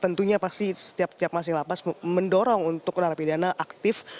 tentunya pasti setiap masing lapas mendorong untuk narapidana aktif